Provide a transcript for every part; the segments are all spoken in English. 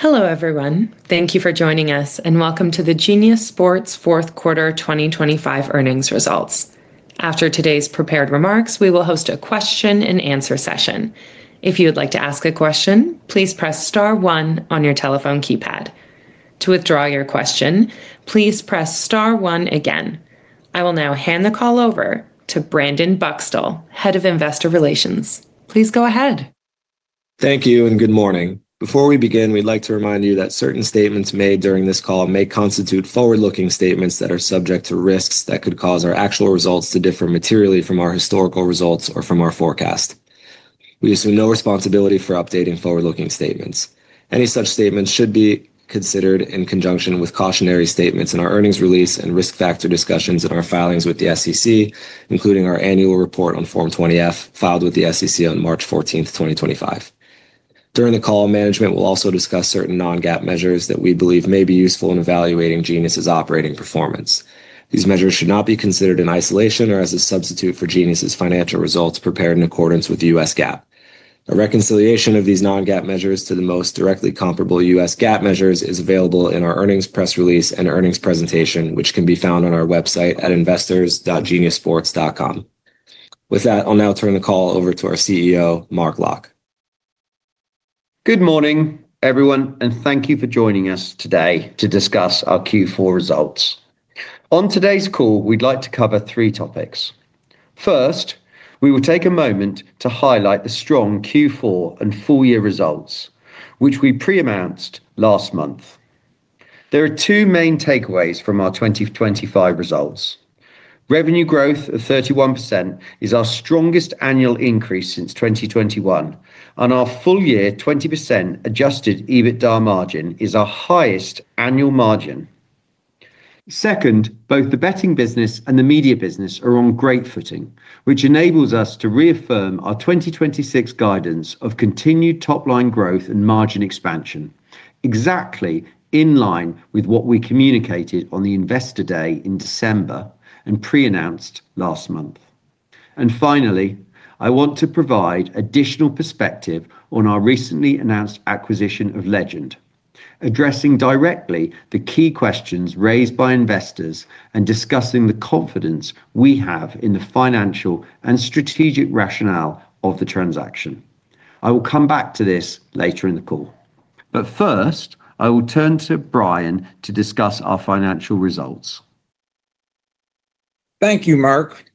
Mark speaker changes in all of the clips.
Speaker 1: Hello, everyone. Thank you for joining us, and welcome to the Genius Sports fourth quarter 2025 earnings results. After today's prepared remarks, we will host a question and answer session. If you would like to ask a question, please press star one on your telephone keypad. To withdraw your question, please press star one again. I will now hand the call over to Brandon Bukstel, Head of Investor Relations. Please go ahead.
Speaker 2: Thank you and good morning. Before we begin, we'd like to remind you that certain statements made during this call may constitute forward-looking statements that are subject to risks that could cause our actual results to differ materially from our historical results or from our forecast. We assume no responsibility for updating forward-looking statements. Any such statements should be considered in conjunction with cautionary statements in our earnings release and risk factor discussions in our filings with the SEC, including our annual report on Form 20-F, filed with the SEC on March 14, 2025. During the call, management will also discuss certain non-GAAP measures that we believe may be useful in evaluating Genius's operating performance. These measures should not be considered in isolation or as a substitute for Genius's financial results prepared in accordance with the U.S. GAAP. A reconciliation of these non-GAAP measures to the most directly comparable U.S. GAAP measures is available in our earnings press release and earnings presentation, which can be found on our website at investors.geniussports.com. With that, I'll now turn the call over to our CEO, Mark Locke.
Speaker 3: Good morning, everyone, and thank you for joining us today to discuss our Q4 results. On today's call, we'd like to cover three topics. First, we will take a moment to highlight the strong Q4 and full year results, which we pre-announced last month. There are two main takeaways from our 2025 results. Revenue growth of 31% is our strongest annual increase since 2021. On our full year, 20% Adjusted EBITDA margin is our highest annual margin. Second, both the betting business and the media business are on great footing, which enables us to reaffirm our 2026 guidance of continued top-line growth and margin expansion, exactly in line with what we communicated on the Investor Day in December and pre-announced last month. Finally, I want to provide additional perspective on our recently announced acquisition of Legend, addressing directly the key questions raised by investors and discussing the confidence we have in the financial and strategic rationale of the transaction. I will come back to this later in the call. First, I will turn to Bryan to discuss our financial results.
Speaker 4: Thank you, Mark.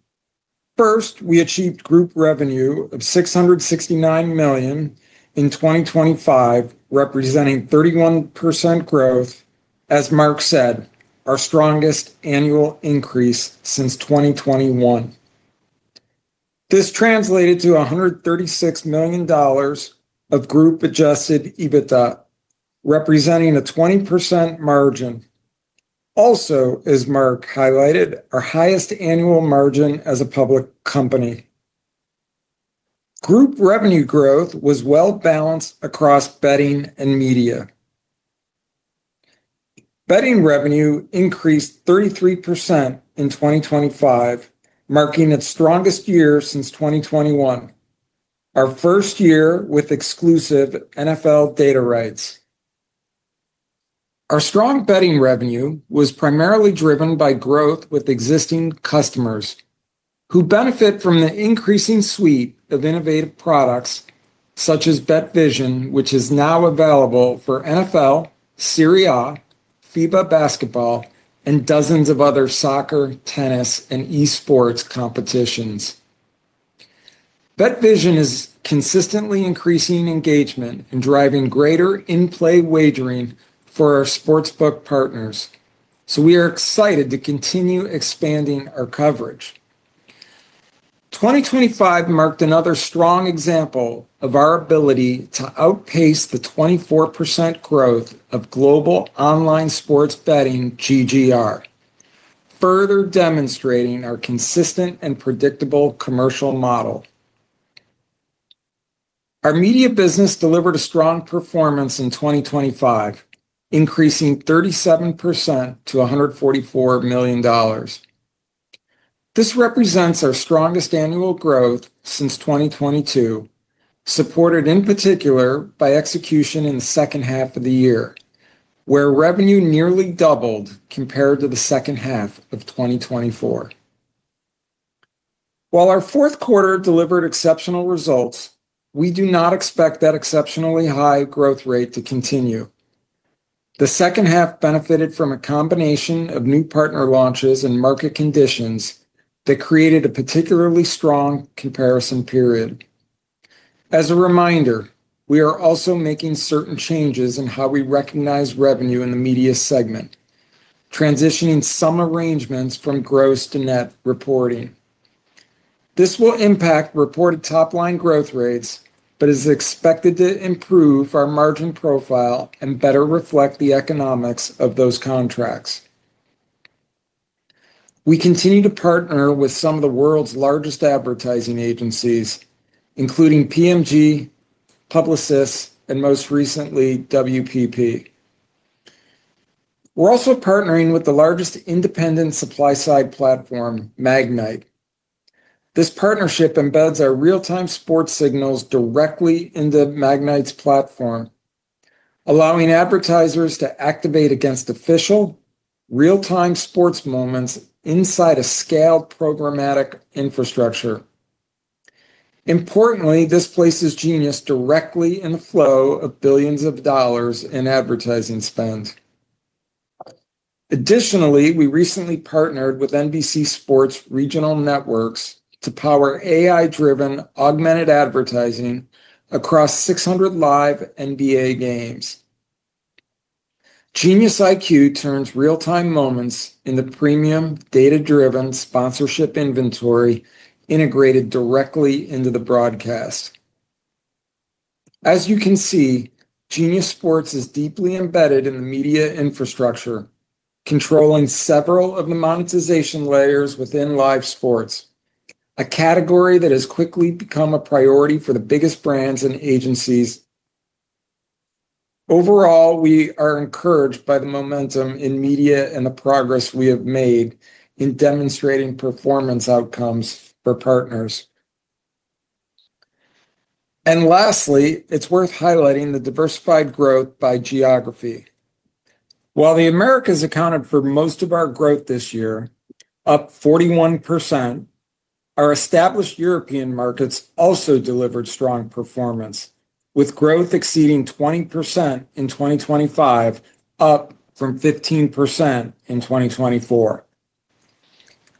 Speaker 4: First, we achieved group revenue of $669 million in 2025, representing 31% growth, as Mark said, our strongest annual increase since 2021. This translated to $136 million of group Adjusted EBITDA, representing a 20% margin. Also, as Mark highlighted, our highest annual margin as a public company. Group revenue growth was well-balanced across betting and media. Betting revenue increased 33% in 2025, marking its strongest year since 2021, our first year with exclusive NFL data rights. Our strong betting revenue was primarily driven by growth with existing customers who benefit from the increasing suite of innovative products such as BetVision, which is now available for NFL, Serie A, FIBA Basketball, and dozens of other soccer, tennis, and esports competitions. BetVision is consistently increasing engagement and driving greater in-play wagering for our sportsbook partners. We are excited to continue expanding our coverage. 2025 marked another strong example of our ability to outpace the 24% growth of global online sports betting GGR, further demonstrating our consistent and predictable commercial model. Our media business delivered a strong performance in 2025, increasing 37% to $144 million. This represents our strongest annual growth since 2022, supported in particular by execution in the second half of the year, where revenue nearly doubled compared to the second half of 2024. While our fourth quarter delivered exceptional results, we do not expect that exceptionally high growth rate to continue. The second half benefited from a combination of new partner launches and market conditions that created a particularly strong comparison period. As a reminder, we are also making certain changes in how we recognize revenue in the media segment, transitioning some arrangements from gross to net reporting. This will impact reported top-line growth rates but is expected to improve our margin profile and better reflect the economics of those contracts. We continue to partner with some of the world's largest advertising agencies, including PMG, Publicis, and most recently, WPP. We're also partnering with the largest independent supply-side platform, Magnite. This partnership embeds our real-time sports signals directly into Magnite's platform, allowing advertisers to activate against official real-time sports moments inside a scaled programmatic infrastructure. Importantly, this places Genius directly in the flow of billions of dollars in advertising spend. Additionally, we recently partnered with NBC Sports regional networks to power AI-driven augmented advertising across 600 live NBA games. GeniusIQ turns real-time moments into premium, data-driven sponsorship inventory integrated directly into the broadcast. As you can see, Genius Sports is deeply embedded in the media infrastructure, controlling several of the monetization layers within live sports, a category that has quickly become a priority for the biggest brands and agencies. Overall, we are encouraged by the momentum in media and the progress we have made in demonstrating performance outcomes for partners. Lastly, it's worth highlighting the diversified growth by geography. While the Americas accounted for most of our growth this year, up 41%, our established European markets also delivered strong performance, with growth exceeding 20% in 2025, up from 15% in 2024.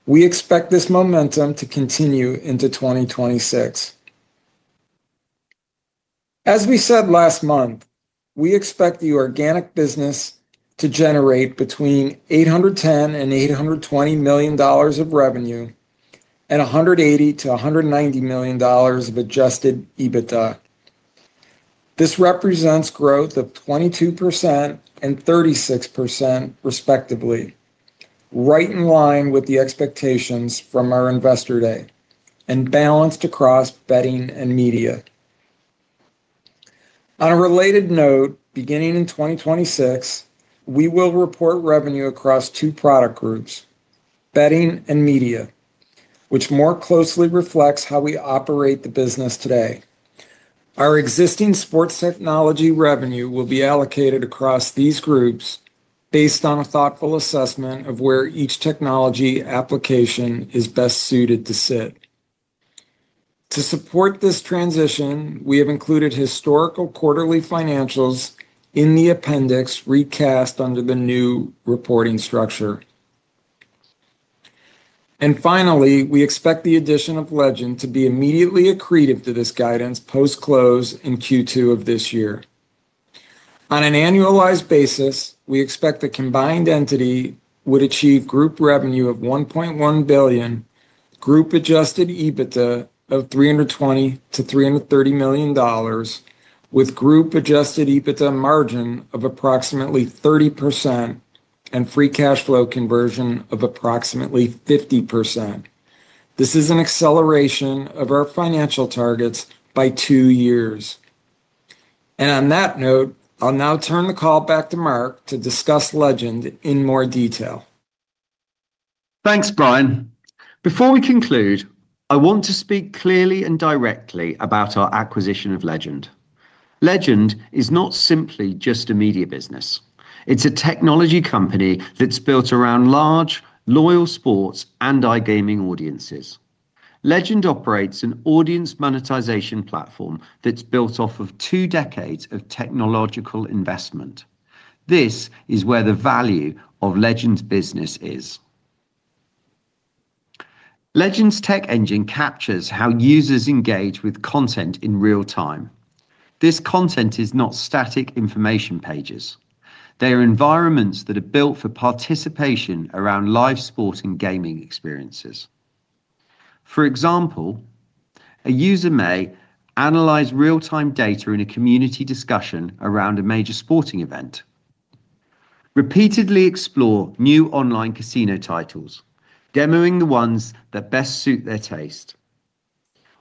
Speaker 4: We expect this momentum to continue into 2026. As we said last month, we expect the organic business to generate between $810 million and $820 million of revenue and $180 million to $190 million of Adjusted EBITDA. This represents growth of 22% and 36% respectively. Right in line with the expectations from our investor day and balanced across betting and media. On a related note, beginning in 2026, we will report revenue across two product groups, betting and media, which more closely reflects how we operate the business today. Our existing sports technology revenue will be allocated across these groups based on a thoughtful assessment of where each technology application is best suited to sit. To support this transition, we have included historical quarterly financials in the appendix recast under the new reporting structure. Finally, we expect the addition of Legend to be immediately accretive to this guidance post-close in Q2 of this year. On an annualized basis, we expect the combined entity would achieve group revenue of $1.1 billion, group Adjusted EBITDA of $320 million-$330 million, with group Adjusted EBITDA margin of approximately 30% and free cash flow conversion of approximately 50%. This is an acceleration of our financial targets by two years. On that note, I'll now turn the call back to Mark to discuss Legend in more detail.
Speaker 3: Thanks, Bryan. Before we conclude, I want to speak clearly and directly about our acquisition of Legend. Legend is not simply just a media business. It's a technology company that's built around large, loyal sports and iGaming audiences. Legend operates an audience monetization platform that's built off of two decades of technological investment. This is where the value of Legend's business is. Legend's tech engine captures how users engage with content in real-time. This content is not static information pages. They are environments that are built for participation around live sport and gaming experiences. For example, a user may analyze real-time data in a community discussion around a major sporting event, repeatedly explore new online casino titles, demoing the ones that best suit their taste,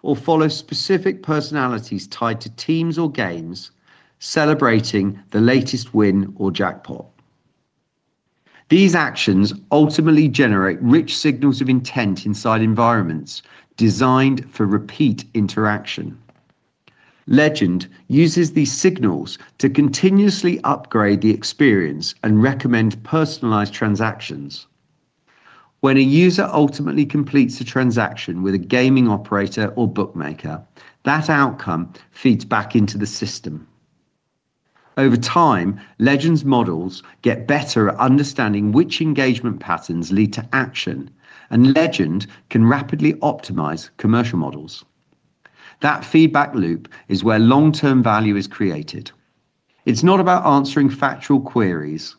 Speaker 3: or follow specific personalities tied to teams or games celebrating the latest win or jackpot. These actions ultimately generate rich signals of intent inside environments designed for repeat interaction. Legend uses these signals to continuously upgrade the experience and recommend personalized transactions. When a user ultimately completes a transaction with a gaming operator or bookmaker, that outcome feeds back into the system. Over time, Legend's models get better at understanding which engagement patterns lead to action, and Legend can rapidly optimize commercial models. That feedback loop is where long-term value is created. It's not about answering factual queries.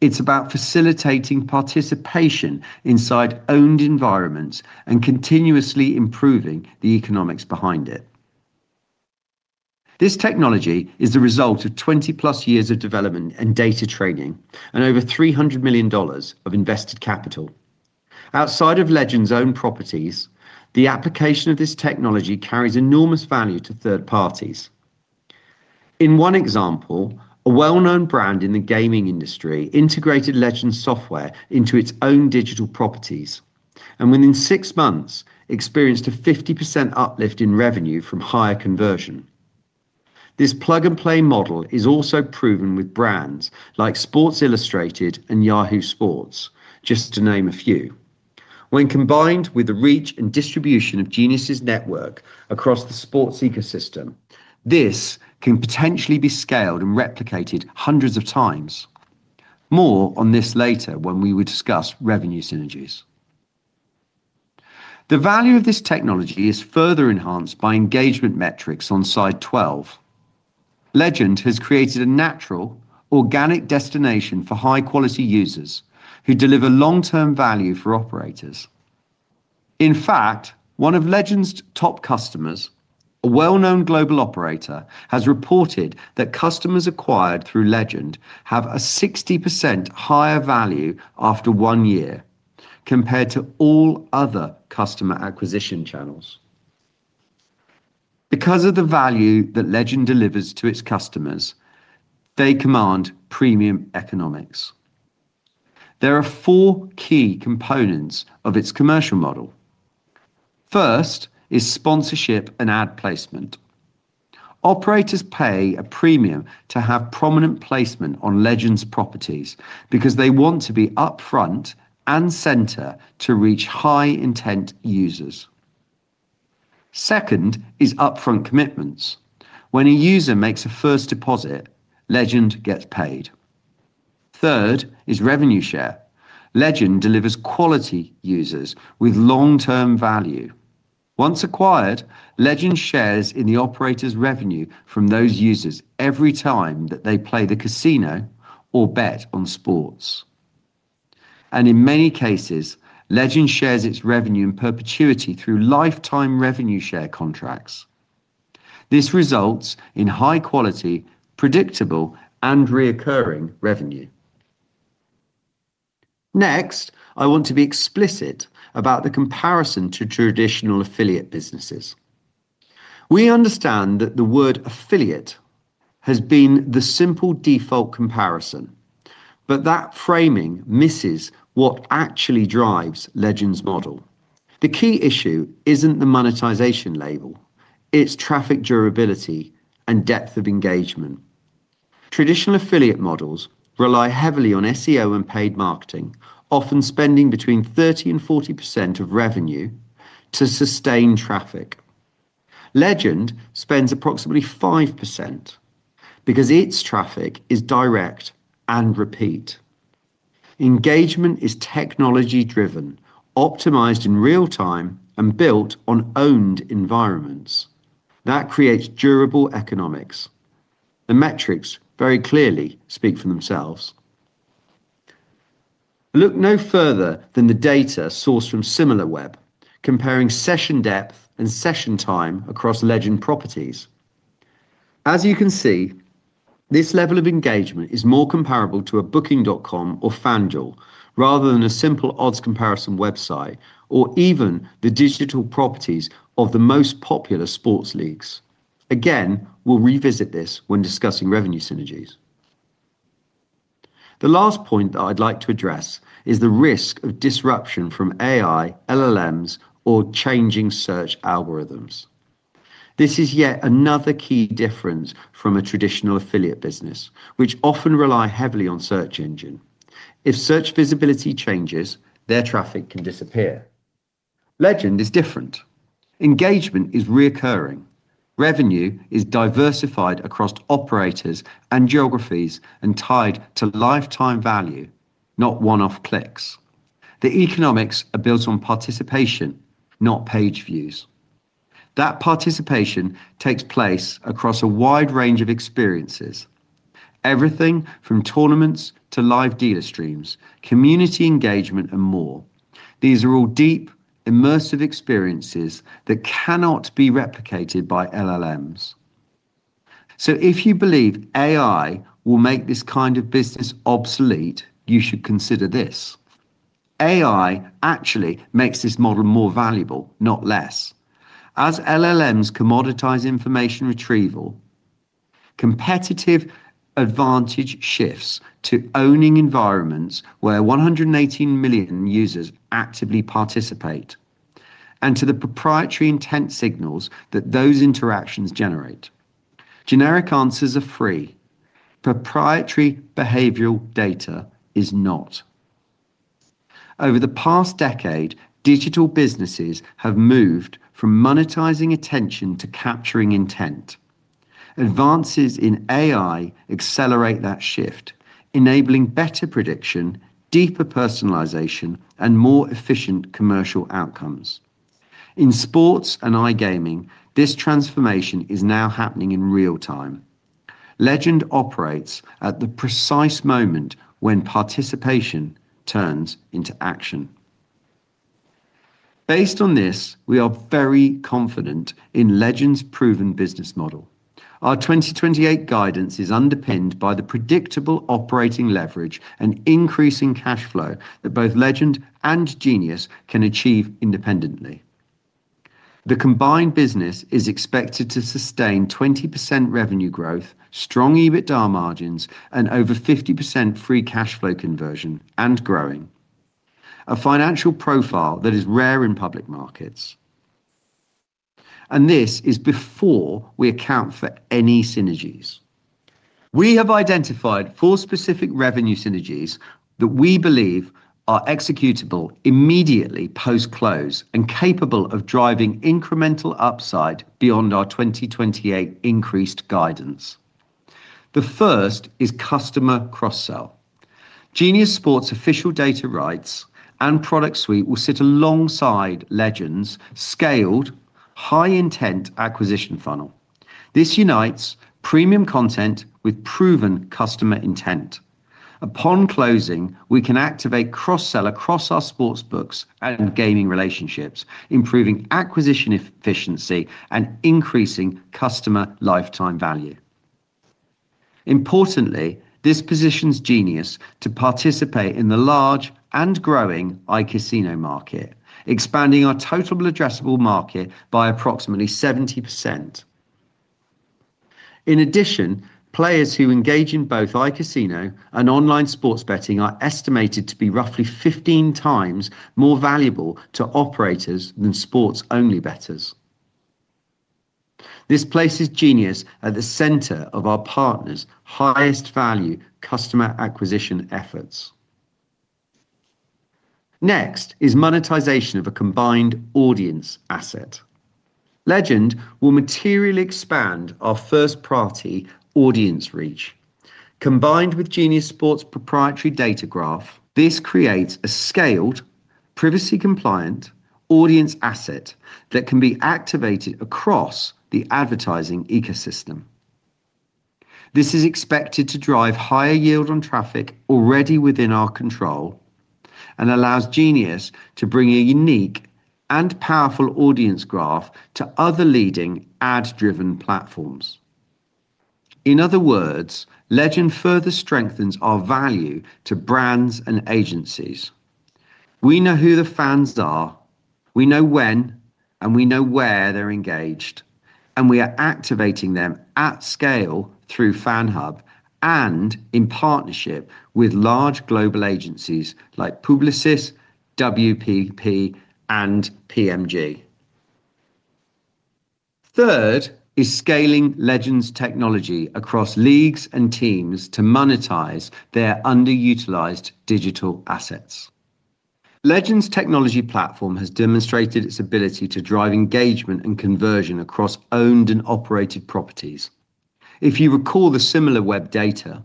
Speaker 3: It's about facilitating participation inside owned environments and continuously improving the economics behind it. This technology is the result of 20+ years of development and data training and over $300 million of invested capital. Outside of Legend's own properties, the application of this technology carries enormous value to third parties. In one example, a well-known brand in the gaming industry integrated Legend software into its own digital properties and within six months experienced a 50% uplift in revenue from higher conversion. This plug-and-play model is also proven with brands like Sports Illustrated and Yahoo Sports, just to name a few. When combined with the reach and distribution of Genius's network across the sports ecosystem, this can potentially be scaled and replicated hundreds of times. More on this later when we will discuss revenue synergies. The value of this technology is further enhanced by engagement metrics on slide 12. Legend has created a natural, organic destination for high-quality users who deliver long-term value for operators. In fact, one of Legend's top customers, a well-known global operator, has reported that customers acquired through Legend have a 60% higher value after one year compared to all other customer acquisition channels. Because of the value that Legend delivers to its customers, they command premium economics. There are four key components of its commercial model. First is sponsorship and ad placement. Operators pay a premium to have prominent placement on Legend's properties because they want to be upfront and center to reach high-intent users. Second is upfront commitments. When a user makes a first deposit, Legend gets paid. Third is revenue share. Legend delivers quality users with long-term value. Once acquired, Legend shares in the operator's revenue from those users every time that they play the casino or bet on sports. In many cases, Legend shares its revenue in perpetuity through lifetime revenue share contracts. This results in high-quality, predictable, and reoccurring revenue. Next, I want to be explicit about the comparison to traditional affiliate businesses. We understand that the word affiliate has been the simple default comparison, but that framing misses what actually drives Legend's model. The key issue isn't the monetization label, it's traffic durability and depth of engagement. Traditional affiliate models rely heavily on SEO and paid marketing, often spending between 30% and 40% of revenue to sustain traffic. Legend spends approximately 5% because its traffic is direct and repeat. Engagement is technology-driven, optimized in real time, and built on owned environments. That creates durable economics. The metrics very clearly speak for themselves. Look no further than the data sourced from Similarweb comparing session depth and session time across Legend properties. As you can see, this level of engagement is more comparable to a Booking.com or FanDuel rather than a simple odds comparison website or even the digital properties of the most popular sports leagues. We'll revisit this when discussing revenue synergies. The last point that I'd like to address is the risk of disruption from AI, LLMs, or changing search algorithms. This is yet another key difference from a traditional affiliate business, which often rely heavily on search engine. If search visibility changes, their traffic can disappear. Legend is different. Engagement is reoccurring. Revenue is diversified across operators and geographies and tied to lifetime value, not one-off clicks. The economics are built on participation, not page views. That participation takes place across a wide range of experiences, everything from tournaments to live dealer streams, community engagement, and more. These are all deep, immersive experiences that cannot be replicated by LLMs. If you believe AI will make this kind of business obsolete, you should consider this. AI actually makes this model more valuable, not less. As LLMs commoditize information retrieval, competitive advantage shifts to owning environments where 118 million users actively participate and to the proprietary intent signals that those interactions generate. Generic answers are free. Proprietary behavioral data is not. Over the past decade, digital businesses have moved from monetizing attention to capturing intent. Advances in AI accelerate that shift, enabling better prediction, deeper personalization, and more efficient commercial outcomes. In sports and iGaming, this transformation is now happening in real time. Legend operates at the precise moment when participation turns into action. Based on this, we are very confident in Legend's proven business model. Our 2028 guidance is underpinned by the predictable operating leverage and increasing cash flow that both Legend and Genius can achieve independently. The combined business is expected to sustain 20% revenue growth, strong EBITDA margins, and over 50% free cash flow conversion and growing. A financial profile that is rare in public markets, and this is before we account for any synergies. We have identified four specific revenue synergies that we believe are executable immediately post-close and capable of driving incremental upside beyond our 2028 increased guidance. The first is customer cross-sell. Genius Sports official data rights and product suite will sit alongside Legend's scaled high intent acquisition funnel. This unites premium content with proven customer intent. Upon closing, we can activate cross-sell across our sports books and gaming relationships, improving acquisition efficiency and increasing customer lifetime value. Importantly, this positions Genius to participate in the large and growing iCasino market, expanding our total addressable market by approximately 70%. In addition, players who engage in both iCasino and online sports betting are estimated to be roughly 15x more valuable to operators than sports-only bettors. This places Genius at the center of our partners' highest value customer acquisition efforts. Next is monetization of a combined audience asset. Legend will materially expand our first-party audience reach. Combined with Genius Sports proprietary data graph, this creates a scaled privacy-compliant audience asset that can be activated across the advertising ecosystem. This is expected to drive higher yield on traffic already within our control and allows Genius to bring a unique and powerful audience graph to other leading ad-driven platforms. In other words, Legend further strengthens our value to brands and agencies. We know who the fans are, we know when, and we know where they're engaged, and we are activating them at scale through FANHub and in partnership with large global agencies like Publicis, WPP, and PMG. Third is scaling Legend's technology across leagues and teams to monetize their underutilized digital assets. Legend's technology platform has demonstrated its ability to drive engagement and conversion across owned and operated properties. If you recall the Similarweb data,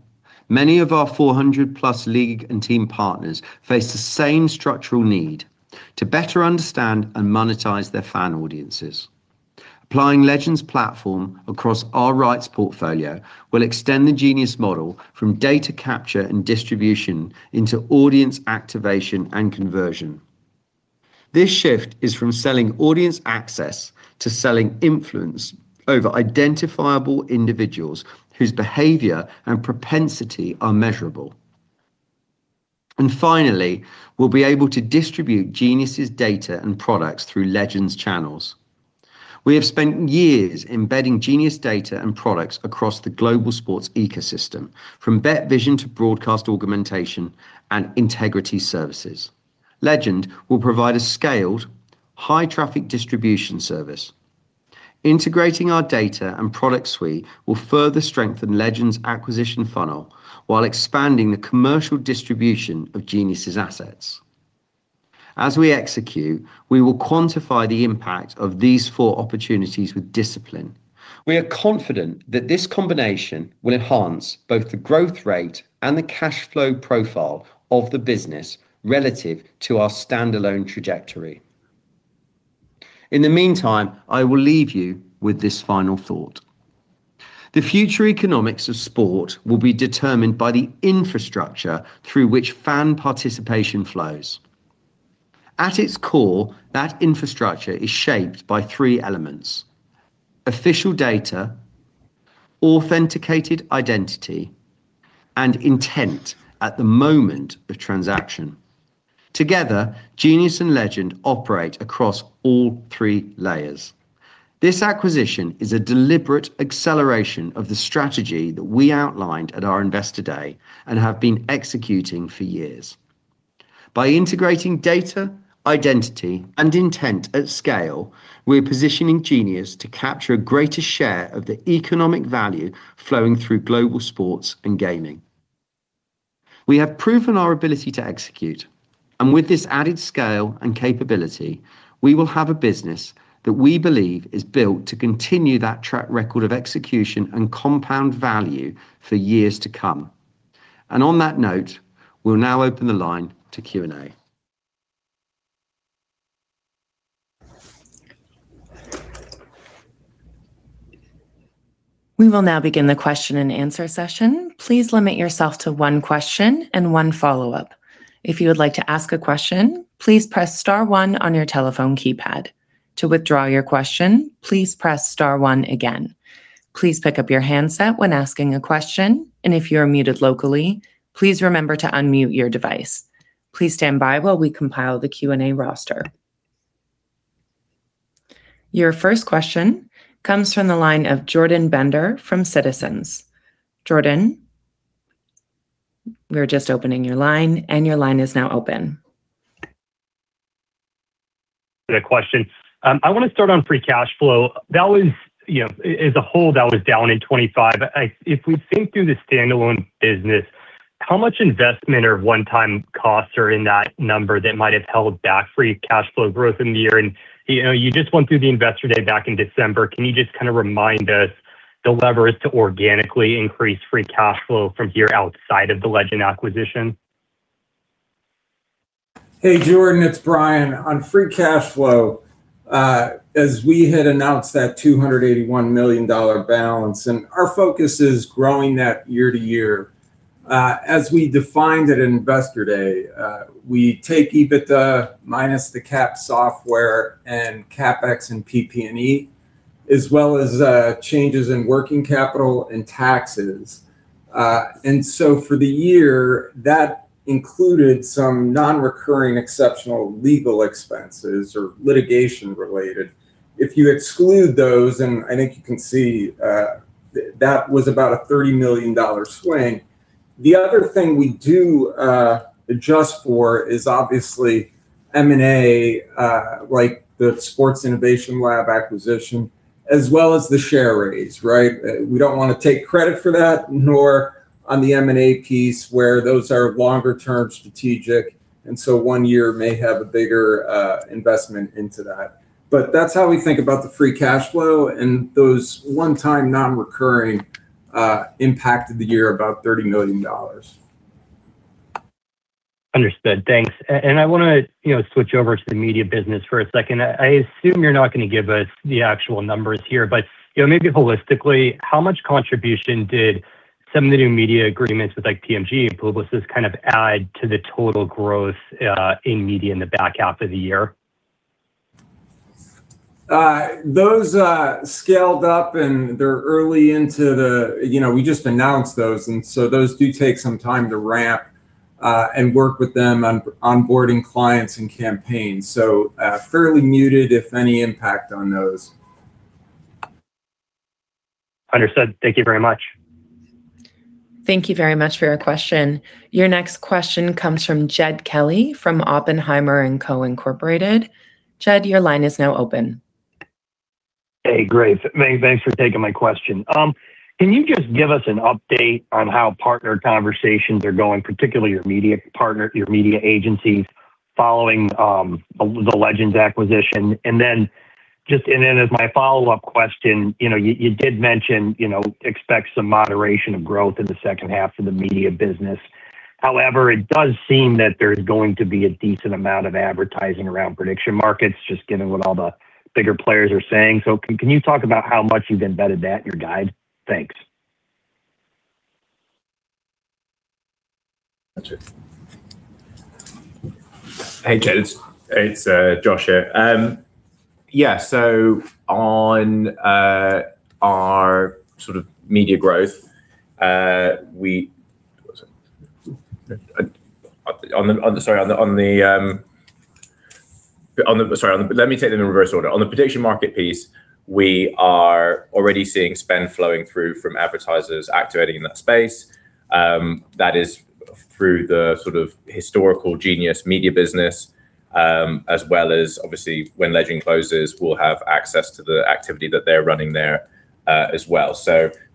Speaker 3: many of our 400+ league and team partners face the same structural need to better understand and monetize their fan audiences. Applying Legend's platform across our rights portfolio will extend the Genius model from data capture and distribution into audience activation and conversion. This shift is from selling audience access to selling influence over identifiable individuals whose behavior and propensity are measurable. Finally, we'll be able to distribute Genius's data and products through Legend's channels. We have spent years embedding Genius data and products across the global sports ecosystem, from BetVision to broadcast augmentation and integrity services. Legend will provide a scaled high-traffic distribution service. Integrating our data and product suite will further strengthen Legend's acquisition funnel while expanding the commercial distribution of Genius's assets. As we execute, we will quantify the impact of these four opportunities with discipline. We are confident that this combination will enhance both the growth rate and the cash flow profile of the business relative to our standalone trajectory. In the meantime, I will leave you with this final thought. The future economics of sport will be determined by the infrastructure through which fan participation flows. At its core, that infrastructure is shaped by three elements: official data, authenticated identity, and intent at the moment of transaction. Together, Genius and Legend operate across all three layers. This acquisition is a deliberate acceleration of the strategy that we outlined at our investor day and have been executing for years. By integrating data, identity, and intent at scale, we're positioning Genius to capture a greater share of the economic value flowing through global sports and gaming. We have proven our ability to execute, and with this added scale and capability, we will have a business that we believe is built to continue that track record of execution and compound value for years to come. On that note, we'll now open the line to Q&A.
Speaker 1: We will now begin the question and answer session. Please limit yourself to one question and one follow-up. If you would like to ask a question, please press star one on your telephone keypad. To withdraw your question, please press star one again. Please pick up your handset when asking a question, and if you are muted locally, please remember to unmute your device. Please stand by while we compile the Q&A roster. Your first question comes from the line of Jordan Bender from Citizens. Jordan, we're just opening your line, and your line is now open.
Speaker 5: Good question. I wanna start on free cash flow. That was, you know, as a whole, that was down in 2025. If we think through the standalone business, how much investment or one-time costs are in that number that might have held back free cash flow growth in the year? You know, you just went through the Investor Day back in December. Can you just kinda remind us the levers to organically increase free cash flow from here outside of the Legend acquisition?
Speaker 4: Hey, Jordan, it's Bryan. On free cash flow, as we had announced that $281 million balance, our focus is growing that year to year. As we defined it in Investor Day, we take EBITDA minus the cap software and CapEx and PP&E, as well as changes in working capital and taxes. For the year, that included some non-recurring exceptional legal expenses or litigation-related. If you exclude those, and I think you can see, that was about a $30 million swing. The other thing we do adjust for is obviously M&A, like the Sports Innovation Lab acquisition, as well as the share raise, right? We don't wanna take credit for that, nor on the M&A piece where those are longer-term strategic, one year may have a bigger investment into that. That's how we think about the free cash flow, and those one-time non-recurring impacted the year about $30 million.
Speaker 5: Understood. Thanks. I wanna, you know, switch over to the media business for a second. I assume you're not gonna give us the actual numbers here, but, you know, maybe holistically, how much contribution did some of the new media agreements with, like, PMG and Publicis kind of add to the total growth in media in the back half of the year?
Speaker 4: Those scaled up, and they're early into the... You know, we just announced those, and so those do take some time to ramp and work with them on onboarding clients and campaigns. Fairly muted, if any impact on those.
Speaker 5: Understood. Thank you very much.
Speaker 1: Thank you very much for your question. Your next question comes from Jed Kelly from Oppenheimer & Co. Inc. Jed, your line is now open.
Speaker 6: Hey, great. Thanks for taking my question. Can you just give us an update on how partner conversations are going, particularly your media partner, your media agencies following the Legend acquisition? As my follow-up question, you know, you did mention, you know, expect some moderation of growth in the second half of the media business. However, it does seem that there's going to be a decent amount of advertising around prediction markets, just given what all the bigger players are saying. Can you talk about how much you've embedded that in your guide? Thanks.
Speaker 4: Gotcha.
Speaker 7: Hey, Jed. It's Josh here. On our sort of media growth. Let me take them in reverse order. On the prediction market piece, we are already seeing spend flowing through from advertisers activating in that space. That is through the sort of historical Genius media business, as well as obviously when Legend closes, we'll have access to the activity that they're running there, as well.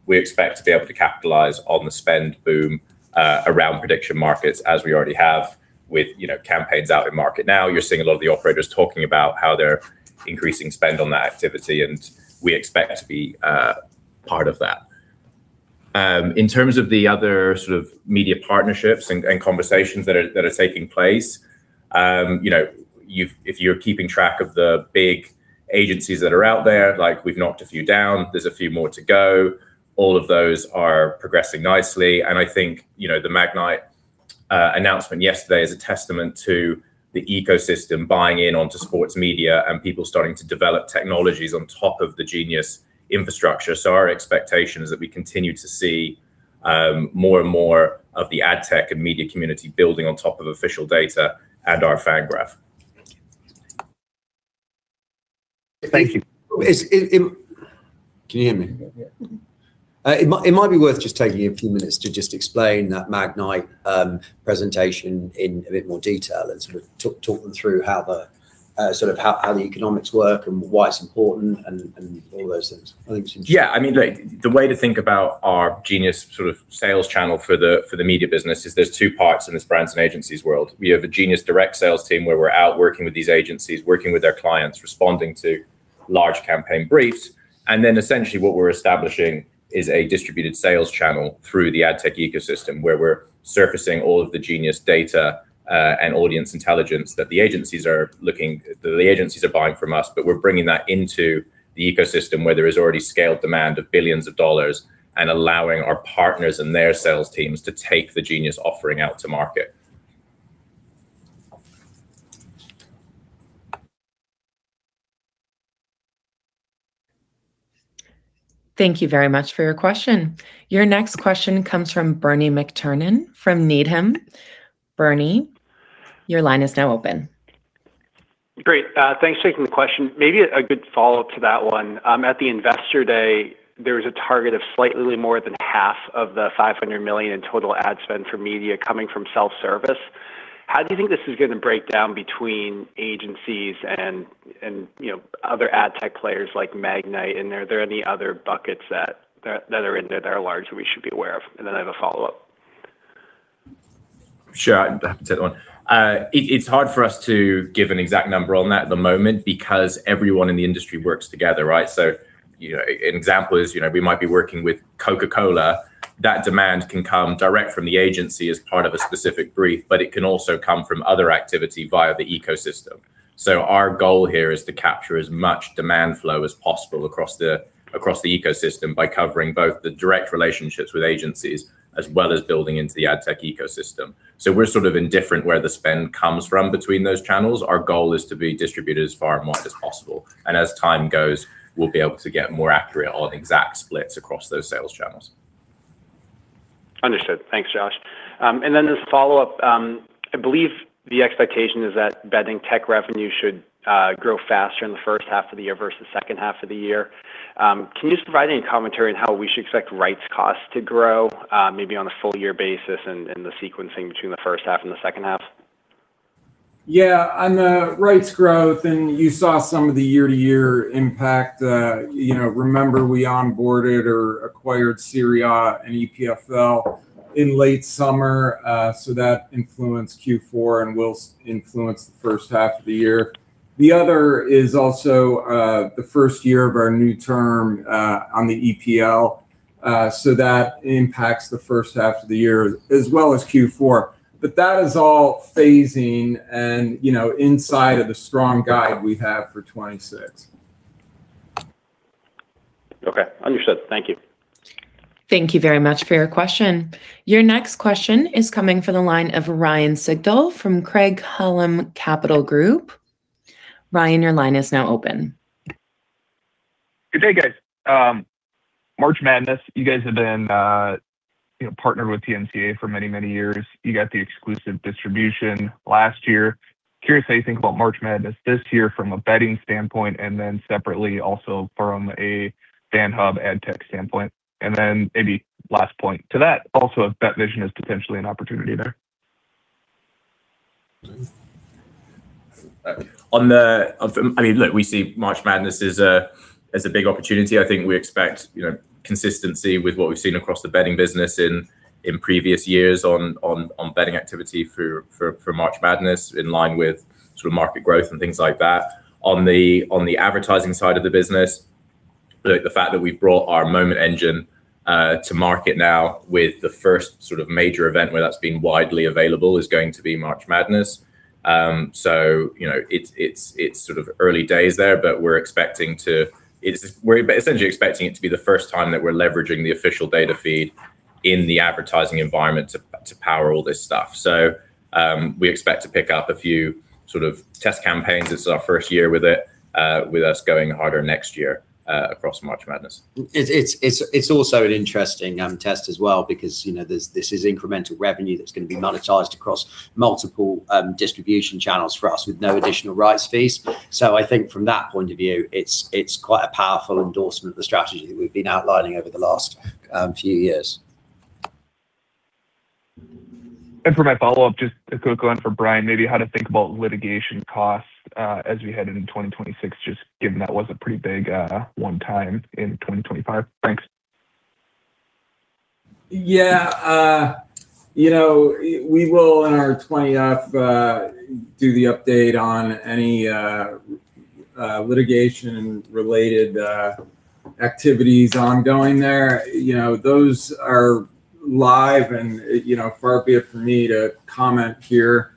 Speaker 7: We expect to be able to capitalize on the spend boom around prediction markets as we already have with, you know, campaigns out in market. You're seeing a lot of the operators talking about how they're increasing spend on that activity, and we expect to be part of that. In terms of the other sort of media partnerships and conversations that are, that are taking place, you know, if you're keeping track of the big agencies that are out there, like we've knocked a few down, there's a few more to go. All of those are progressing nicely. I think, you know, the Magnite announcement yesterday is a testament to the ecosystem buying in onto sports media and people starting to develop technologies on top of the Genius infrastructure. Our expectation is that we continue to see more and more of the ad tech and media community building on top of official data and our Fan Graph.
Speaker 6: Thank you.
Speaker 4: Is it? Can you hear me?
Speaker 6: Yeah.
Speaker 4: It might be worth just taking a few minutes to just explain that Magnite, presentation in a bit more detail and sort of talk them through how the sort of how the economics work and why it's important and all those things. I think it's interesting.
Speaker 7: Yeah. I mean, like, the way to think about our Genius sort of sales channel for the, for the media business is there's two parts in this brands and agencies world. We have a Genius direct sales team where we're out working with these agencies, working with their clients, responding to large campaign briefs, essentially what we're establishing is a distributed sales channel through the ad tech ecosystem, where we're surfacing all of the Genius data and audience intelligence that the agencies are buying from us, we're bringing that into the ecosystem where there is already scaled demand of billions of dollars and allowing our partners and their sales teams to take the Genius offering out to market.
Speaker 1: Thank you very much for your question. Your next question comes from Bernie McTernan from Needham. Bernie, your line is now open.
Speaker 8: Great. Thanks for taking the question. Maybe a good follow-up to that one. At the Investor Day, there was a target of slightly more than half of the $500 million in total ad spend for media coming from self-service. How do you think this is gonna break down between agencies and, you know, other ad tech players like Magnite? Are there any other buckets that are in there that are large that we should be aware of? I have a follow-up.
Speaker 7: Sure. I'm happy to take that one. It's hard for us to give an exact number on that at the moment because everyone in the industry works together, right? You know, an example is, you know, we might be working with Coca-Cola. That demand can come direct from the agency as part of a specific brief, but it can also come from other activity via the ecosystem. Our goal here is to capture as much demand flow as possible across the, across the ecosystem by covering both the direct relationships with agencies as well as building into the ad tech ecosystem. We're sort of indifferent where the spend comes from between those channels. Our goal is to be distributed as far and wide as possible. As time goes, we'll be able to get more accurate or exact splits across those sales channels.
Speaker 8: Understood. Thanks, Josh. As a follow-up, I believe the expectation is that betting tech revenue should grow faster in the first half of the year versus second half of the year. Can you just provide any commentary on how we should expect rights costs to grow, maybe on a full year basis and the sequencing between the first half and the second half?
Speaker 4: Yeah. On the rights growth, you saw some of the year-to-year impact. You know, remember we onboarded or acquired Serie A and EPFL in late summer. That influenced Q4 and will influence the first half of the year. The other is also the first year of our new term on the EPL. That impacts the first half of the year as well as Q4. That is all phasing and, you know, inside of the strong guide we have for 2026.
Speaker 8: Okay. Understood. Thank you.
Speaker 1: Thank you very much for your question. Your next question is coming from the line of Ryan Sigdahl from Craig-Hallum Capital Group. Ryan, your line is now open.
Speaker 9: Good day, guys. March Madness, you guys have been, you know, partnered with the NCAA for many, many years. You got the exclusive distribution last year. Curious how you think about March Madness this year from a betting standpoint, separately also from a FANHub ad tech standpoint. Maybe last point to that also, if BetVision is potentially an opportunity there.
Speaker 7: I mean, look, we see March Madness as a big opportunity. I think we expect, you know, consistency with what we've seen across the betting business in previous years on betting activity for March Madness in line with sort of market growth and things like that. On the advertising side of the business, look, the fact that we've brought our Moment Engine to market now with the first sort of major event where that's been widely available is going to be March Madness. You know, it's sort of early days there, but we're expecting to. We're essentially expecting it to be the first time that we're leveraging the official data feed in the advertising environment to power all this stuff. We expect to pick up a few sort of test campaigns. This is our first year with it, with us going harder next year, across March Madness. It's also an interesting test as well because, you know, this is incremental revenue that's gonna be monetized across multiple distribution channels for us with no additional rights fees. I think from that point of view, it's quite a powerful endorsement of the strategy that we've been outlining over the last few years.
Speaker 9: For my follow-up, just a quick one for Bryan, maybe how to think about litigation costs, as we head into 2026, just given that was a pretty big, one time in 2025. Thanks.
Speaker 4: Yeah. You know, we will in our 20-F, do the update on any litigation-related activities ongoing there. You know, those are live and, you know, far be it for me to comment here.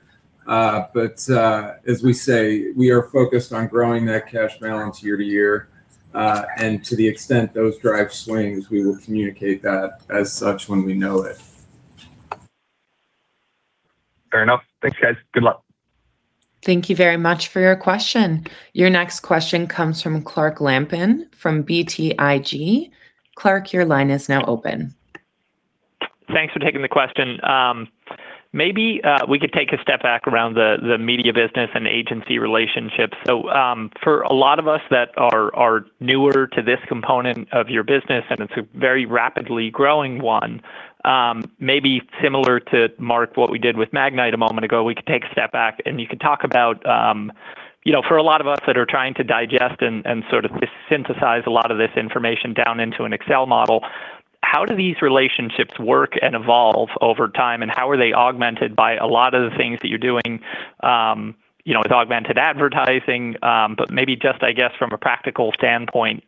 Speaker 4: As we say, we are focused on growing that cash balance year to year. To the extent those drive swings, we will communicate that as such when we know it.
Speaker 9: Fair enough. Thanks, guys. Good luck.
Speaker 1: Thank you very much for your question. Your next question comes from Clark Lampen from BTIG. Clark, your line is now open.
Speaker 10: Thanks for taking the question. Maybe we could take a step back around the media business and agency relationship. For a lot of us that are newer to this component of your business, and it's a very rapidly growing one, maybe similar to Mark, what we did with Magnite a moment ago, we could take a step back and you could talk about, you know, for a lot of us that are trying to digest and sort of synthesize a lot of this information down into an Excel model. How do these relationships work and evolve over time, and how are they augmented by a lot of the things that you're doing, you know, with augmented advertising? Maybe just, I guess, from a practical standpoint,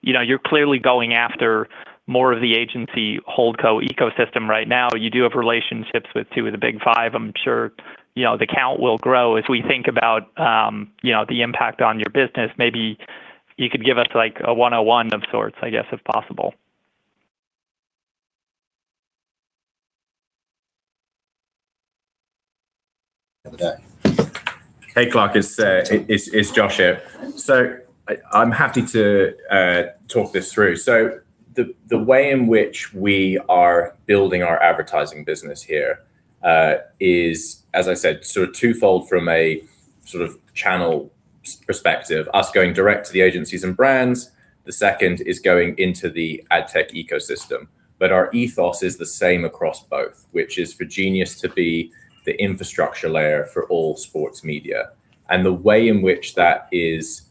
Speaker 10: you know, you're clearly going after more of the agency holdco ecosystem right now. You do have relationships with two of the Big Five. I'm sure, you know, the count will grow as we think about, you know, the impact on your business. Maybe you could give us like a one-on-one of sorts, I guess, if possible.
Speaker 7: Hey, Clark. It's Josh here. I'm happy to talk this through. The way in which we are building our advertising business here, as I said, sort of twofold from a sort of channel perspective, us going direct to the agencies and brands. The second is going into the ad tech ecosystem. Our ethos is the same across both, which is for Genius to be the infrastructure layer for all sports media, and the way in which that is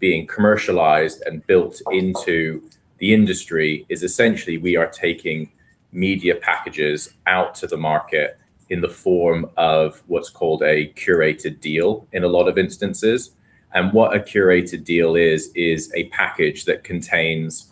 Speaker 7: being commercialized and built into the industry is essentially we are taking media packages out to the market in the form of what's called a curated deal in a lot of instances. What a curated deal is a package that contains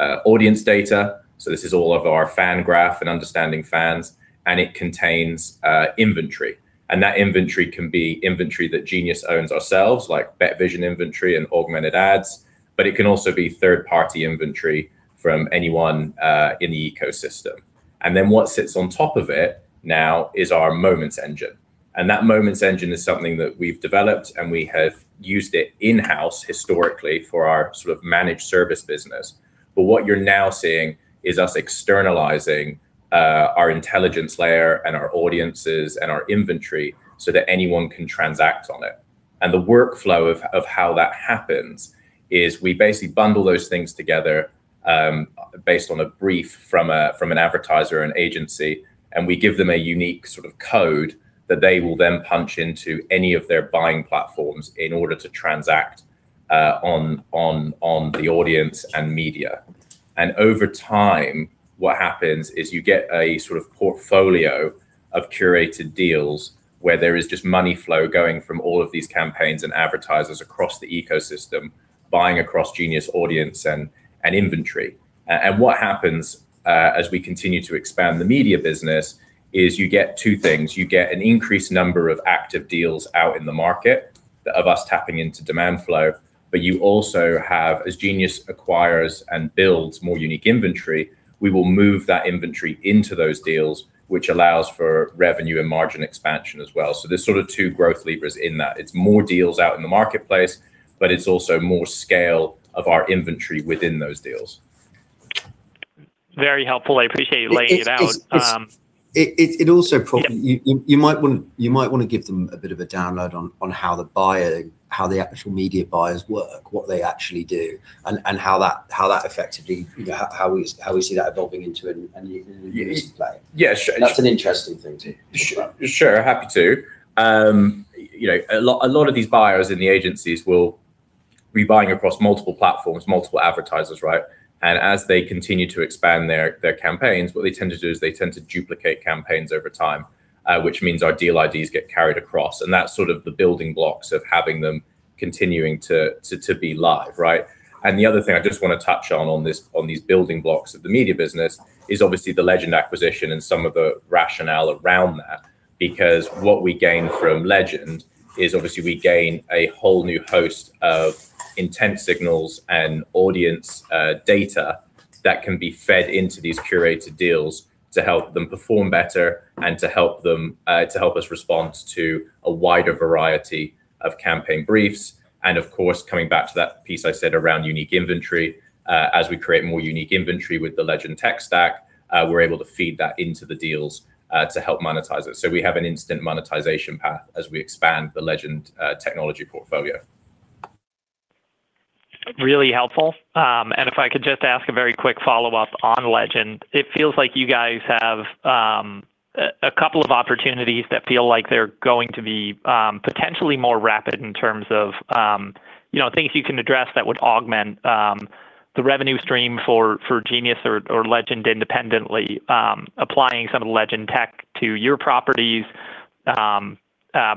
Speaker 7: audience data. This is all of our Fan Graph and understanding fans, and it contains inventory, and that inventory can be inventory that Genius owns ourselves, like BetVision inventory and augmented ads. It can also be third-party inventory from anyone in the ecosystem. What sits on top of it now is our Moment Engine. That Moment Engine is something that we've developed, and we have used it in-house historically for our sort of managed service business. What you're now seeing is us externalizing our intelligence layer and our audiences and our inventory so that anyone can transact on it. The workflow of how that happens is we basically bundle those things together, based on a brief from an advertiser or an agency, and we give them a unique sort of code that they will then punch into any of their buying platforms in order to transact on the audience and media. Over time, what happens is you get a sort of portfolio of curated deals where there is just money flow going from all of these campaigns and advertisers across the ecosystem, buying across Genius audience and inventory. What happens as we continue to expand the media business is you get two things. You get an increased number of active deals out in the market of us tapping into demand flow. You also have, as Genius acquires and builds more unique inventory, we will move that inventory into those deals, which allows for revenue and margin expansion as well. There's sort of two growth levers in that. It's more deals out in the marketplace, but it's also more scale of our inventory within those deals.
Speaker 10: Very helpful. I appreciate you laying it out.
Speaker 4: It's also.
Speaker 10: Yeah...
Speaker 4: you might want to give them a bit of a download on how the actual media buyers work, what they actually do, and how that effectively, you know, how we see that evolving into a unique play.
Speaker 10: Yeah, sure.
Speaker 7: That's an interesting thing too. Sure. Sure. Happy to. You know, a lot of these buyers in the agencies will be buying across multiple platforms, multiple advertisers, right? As they continue to expand their campaigns, what they tend to do is they tend to duplicate campaigns over time, which means our deal IDs get carried across, and that's sort of the building blocks of having them continuing to be live, right? The other thing I just wanna touch on on these building blocks of the media business is obviously the Legend acquisition and some of the rationale around that. Because what we gain from Legend is obviously we gain a whole new host of intent signals and audience data that can be fed into these curated deals to help them perform better and to help them to help us respond to a wider variety of campaign briefs. Of course, coming back to that piece I said around unique inventory as we create more unique inventory with the Legend tech stack, we're able to feed that into the deals to help monetize it. We have an instant monetization path as we expand the Legend technology portfolio. Really helpful. If I could just ask a very quick follow-up on Legend.
Speaker 10: It feels like you guys have a couple of opportunities that feel like they're going to be potentially more rapid in terms of, you know, things you can address that would augment the revenue stream for Genius or Legend independently, applying some of the Legend tech to your properties,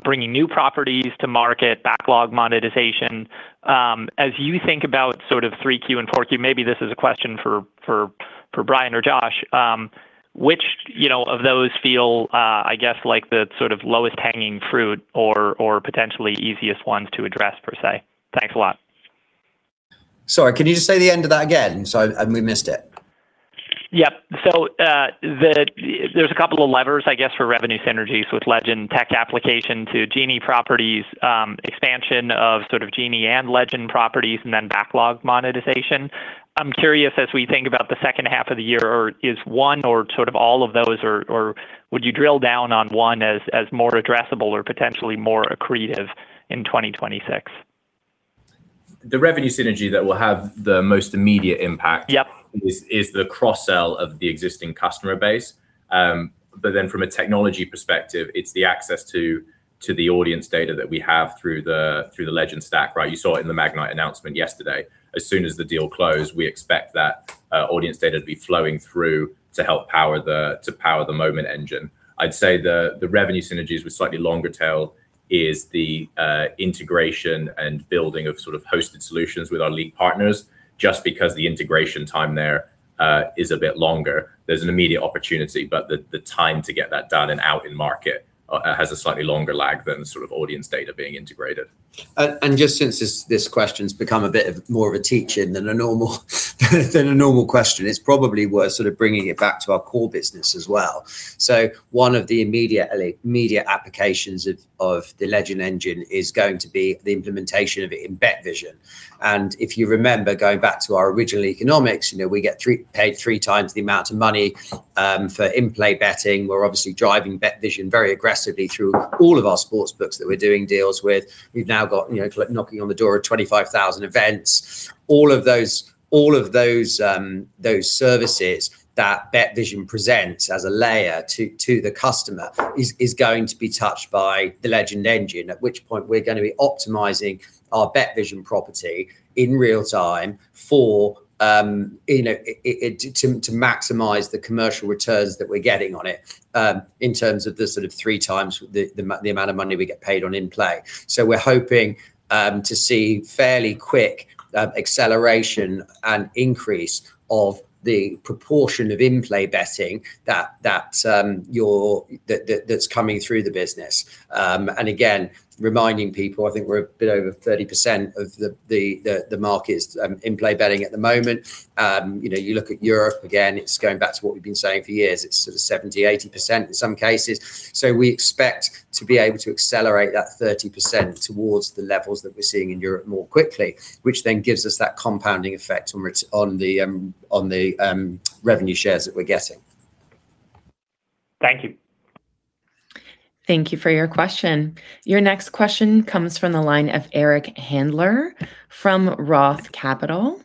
Speaker 10: bringing new properties to market, backlog monetization. As you think about sort of 3Q and 4Q, maybe this is a question for Bryan or Josh, which, you know, of those feel, I guess like the sort of lowest hanging fruit or potentially easiest ones to address per se? Thanks a lot.
Speaker 7: Sorry, can you just say the end of that again? We missed it.
Speaker 10: Yep. There's a couple of levers, I guess, for revenue synergies with Legend tech application to GeniusIQ properties, expansion of sort of GeniusIQ and Legend properties, and then backlog monetization. I'm curious as we think about the second half of the year, or is one or sort of all of those, or would you drill down on one as more addressable or potentially more accretive in 2026?
Speaker 7: The revenue synergy that will have the most immediate impact.
Speaker 10: Yep ...
Speaker 7: is the cross-sell of the existing customer base. From a technology perspective, it's the access to the audience data that we have through the Legend stack, right? You saw it in the Magnite announcement yesterday. As soon as the deal closed, we expect that audience data to be flowing through to help power the Moment Engine. I'd say the revenue synergies with slightly longer tail is the integration and building of sort of hosted solutions with our league partners, just because the integration time there is a bit longer. There's an immediate opportunity, but the time to get that done and out in market has a slightly longer lag than the sort of audience data being integrated.
Speaker 3: Just since this question's become a bit of more of a teach-in than a normal, than a normal question, it's probably worth sort of bringing it back to our core business as well. One of the immediate immediate applications of the Legend engine is going to be the implementation of it in BetVision. If you remember, going back to our original economics, you know, we get paid three times the amount of money for in-play betting. We're obviously driving BetVision very aggressively through all of our sports books that we're doing deals with. We've now got, you know, knocking on the door of 25,000 events. All of those, all of those services that BetVision presents as a layer to the customer is going to be touched by the Legend engine. At which point we're gonna be optimizing our BetVision property in real time for, you know, to maximize the commercial returns that we're getting on it, in terms of the sort of 3x the amount of money we get paid on in-play. We're hoping to see fairly quick acceleration and increase of the proportion of in-play betting that's coming through the business. Again, reminding people, I think we're a bit over 30% of the market is in-play betting at the moment. You know, you look at Europe, again, it's going back to what we've been saying for years. It's sort of 70%, 80% in some cases. We expect to be able to accelerate that 30% towards the levels that we're seeing in Europe more quickly, which then gives us that compounding effect on the revenue shares that we're getting.
Speaker 10: Thank you.
Speaker 1: Thank you for your question. Your next question comes from the line of Eric Handler from ROTH Capital.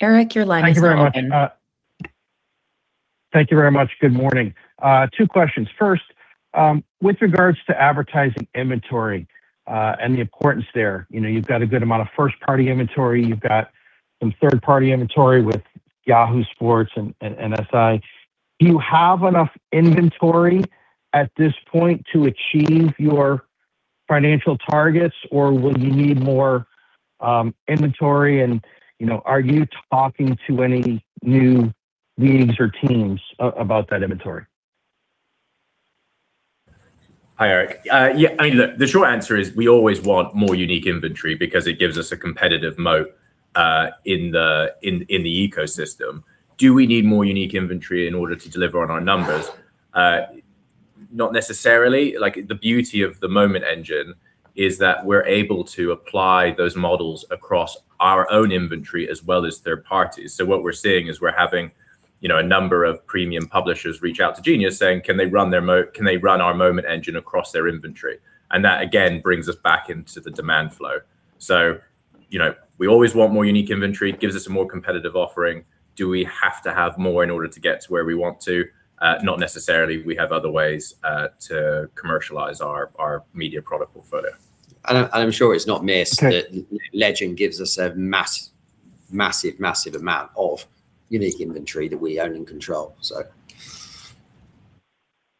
Speaker 1: Eric, your line is open.
Speaker 11: Thank you very much. Thank you very much. Good morning. Two questions. First, with regards to advertising inventory, and the importance there. You know, you've got a good amount of first-party inventory, you've got some third-party inventory with Yahoo Sports and MSN. Do you have enough inventory at this point to achieve your financial targets, or will you need more inventory? You know, are you talking to any new leagues or teams about that inventory?
Speaker 7: Hi, Eric. Yeah, I mean, look, the short answer is we always want more unique inventory because it gives us a competitive moat in the ecosystem. Do we need more unique inventory in order to deliver on our numbers? Not necessarily. Like, the beauty of the Moment Engine is that we're able to apply those models across our own inventory as well as third parties. What we're seeing is we're having, you know, a number of premium publishers reach out to Genius saying, "Can they run our Moment Engine across their inventory?" That, again, brings us back into the demand flow. You know, we always want more unique inventory. It gives us a more competitive offering. Do we have to have more in order to get to where we want to? Not necessarily. We have other ways to commercialize our media product or photo.
Speaker 3: I'm sure it's not missed...
Speaker 11: Okay...
Speaker 3: that Legend gives us a massive amount of unique inventory that we own and control, so.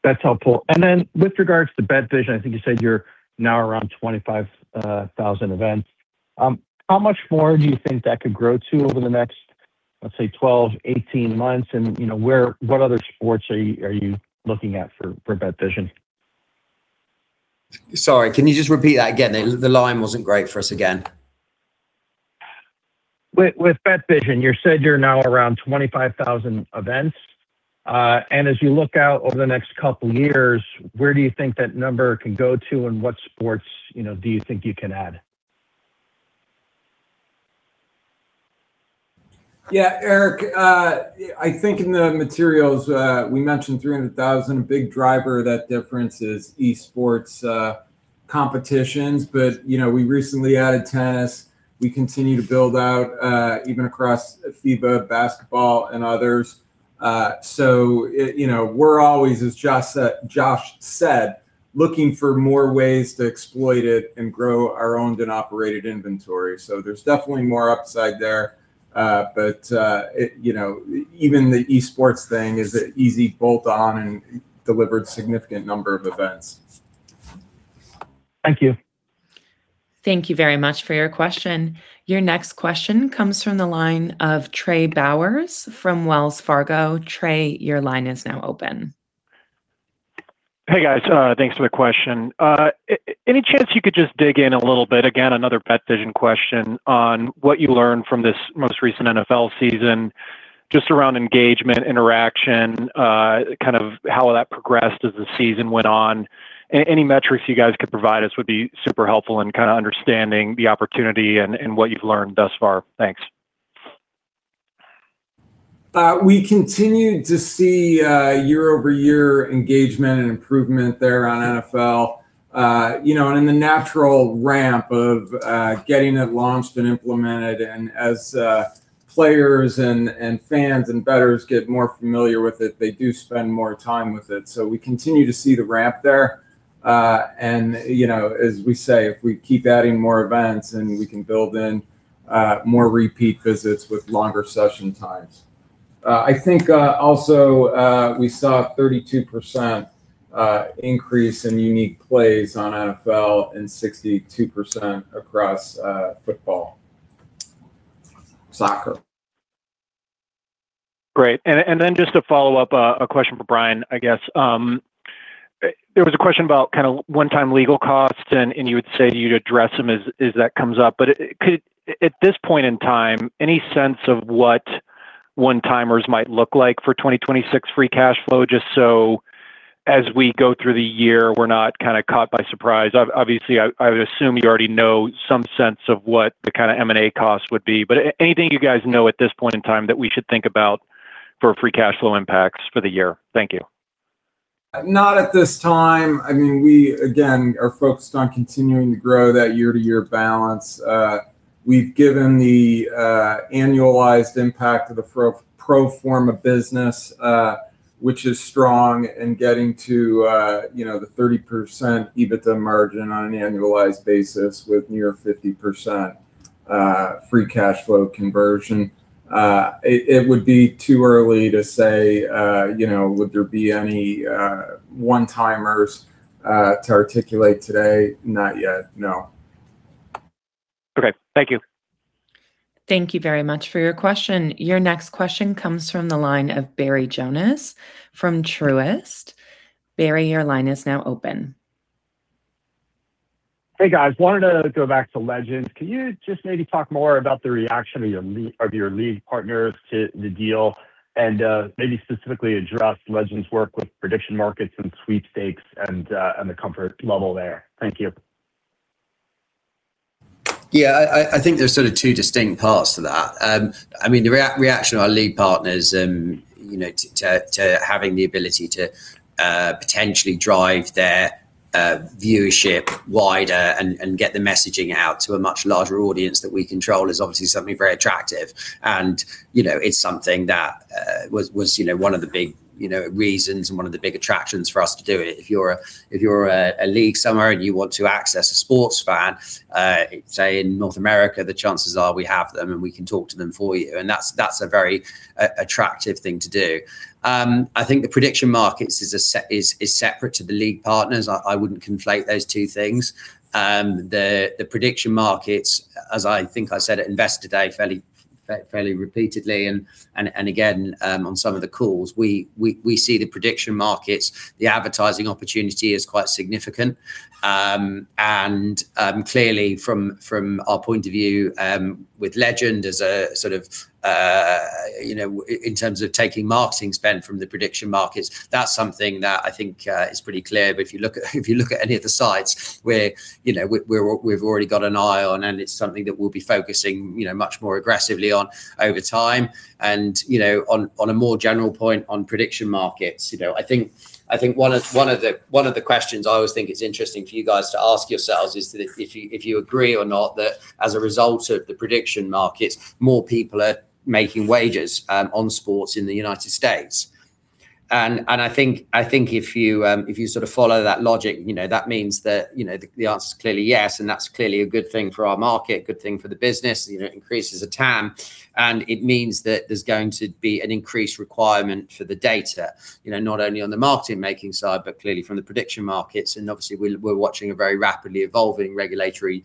Speaker 11: That's helpful. Then with regards to BetVision, I think you said you're now around 25,000 events. How much more do you think that could grow to over the next, let's say, 12, 18 months? You know, where, what other sports are you looking at for BetVision?
Speaker 3: Sorry, can you just repeat that again? The line wasn't great for us again.
Speaker 11: With BetVision, you said you're now around 25,000 events. As you look out over the next couple years, where do you think that number can go to, and what sports, you know, do you think you can add?
Speaker 4: Yeah, Eric, I think in the materials, we mentioned 300,000. A big driver of that difference is esports competitions. You know, we recently added tennis. We continue to build out, even across FIBA basketball and others. It, you know, we're always, as Josh said, looking for more ways to exploit it and grow our owned and operated inventory. There's definitely more upside there. It, you know, even the esports thing is an easy bolt-on and delivered significant number of events.
Speaker 11: Thank you.
Speaker 1: Thank you very much for your question. Your next question comes from the line of Trey Bowers from Wells Fargo. Trey, your line is now open.
Speaker 12: Hey, guys. Thanks for the question. Any chance you could just dig in a little bit, again, another BetVision question, on what you learned from this most recent NFL season, just around engagement, interaction, kind of how that progressed as the season went on? Any metrics you guys could provide us would be super helpful in kind of understanding the opportunity and what you've learned thus far. Thanks.
Speaker 4: We continue to see year-over-year engagement and improvement there on NFL. You know, in the natural ramp of getting it launched and implemented, as players and fans and betters get more familiar with it, they do spend more time with it. We continue to see the ramp there. You know, as we say, if we keep adding more events and we can build in more repeat visits with longer session times. I think also we saw 32% increase in unique plays on NFL and 62% across football. Soccer.
Speaker 12: Great. Then just to follow up, a question for Bryan, I guess. There was a question about kind of one-time legal costs and you would say you'd address them as that comes up. At this point in time, any sense of what one-timers might look like for 2026 free cash flow, just so as we go through the year, we're not kinda caught by surprise. I would assume you already know some sense of what the kinda M&A costs would be. Anything you guys know at this point in time that we should think about for free cash flow impacts for the year? Thank you.
Speaker 4: Not at this time. I mean, we, again, are focused on continuing to grow that year-to-year balance. We've given the annualized impact of the pro forma business, which is strong in getting to, you know, the 30% EBITDA margin on an annualized basis with near 50% free cash flow conversion. It would be too early to say, you know, would there be any one-timers to articulate today? Not yet, no.
Speaker 12: Okay. Thank you.
Speaker 1: Thank you very much for your question. Your next question comes from the line of Barry Jonas from Truist. Barry, your line is now open.
Speaker 13: Hey, guys. Wanted to go back to Legend. Can you just maybe talk more about the reaction of your league partners to the deal and maybe specifically address Legend's work with prediction markets and sweepstakes and the comfort level there? Thank you.
Speaker 3: Yeah. I think there's sort of two distinct parts to that. I mean, the reaction of our league partners, you know, to having the ability to potentially drive their viewership wider and get the messaging out to a much larger audience that we control is obviously something very attractive. You know, it's something that was, you know, one of the big, you know, reasons and one of the big attractions for us to do it. If you're a league somewhere and you want to access a sports fan, say in North America, the chances are we have them, and we can talk to them for you. That's a very attractive thing to do. I think the prediction markets is separate to the league partners. I wouldn't conflate those two things. The prediction markets, as I think I said at Investor Day fairly repeatedly and again on some of the calls, we see the prediction markets, the advertising opportunity is quite significant. Clearly from our point of view, with Legend as a sort of, you know, in terms of taking marketing spend from the prediction markets, that's something that I think is pretty clear. If you look at any of the sites we're, you know, we've already got an eye on and it's something that we'll be focusing, you know, much more aggressively on over time. You know, on a more general point on prediction markets, you know, I think one of the questions I always think is interesting for you guys to ask yourselves is that if you agree or not that as a result of the prediction markets, more people are making wagers on sports in the United States. I think if you sort of follow that logic, you know, that means that the answer's clearly yes, and that's clearly a good thing for our market, good thing for the business. You know, it increases the TAM, and it means that there's going to be an increased requirement for the data, you know, not only on the market making side, but clearly from the prediction markets. Obviously we're watching a very rapidly evolving regulatory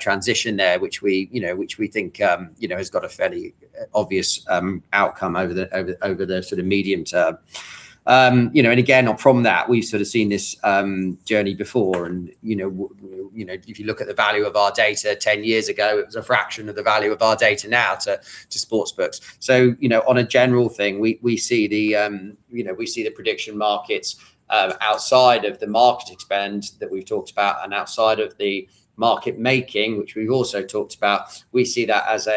Speaker 3: transition there, which we, you know, which we think, you know, has got a fairly obvious outcome over the sort of medium term. You know, and again, from that, we've sort of seen this journey before and, you know, you know, if you look at the value of our data 10 years ago, it was a fraction of the value of our data now to sportsbooks. You know, on a general thing, we see the, you know, we see the prediction markets, outside of the marketing spend that we've talked about and outside of the market making, which we've also talked about. We see that as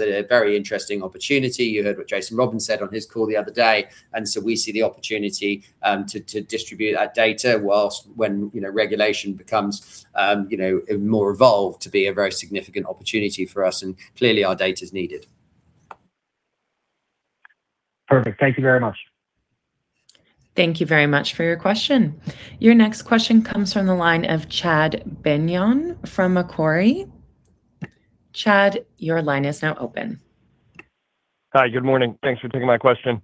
Speaker 3: a very interesting opportunity. You heard what Jason Robins said on his call the other day, and so we see the opportunity, to distribute that data whilst when, you know, regulation becomes, you know, more evolved to be a very significant opportunity for us, and clearly our data's needed.
Speaker 13: Perfect. Thank you very much.
Speaker 1: Thank you very much for your question. Your next question comes from the line of Chad Beynon from Macquarie. Chad, your line is now open.
Speaker 14: Hi. Good morning. Thanks for taking my question.